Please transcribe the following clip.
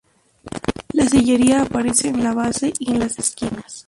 La sillería aparece en la base y en las esquinas.